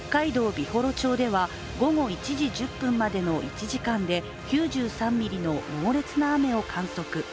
美幌町では午後１時１０分までの一時間で９３ミリの猛烈な雨を観測。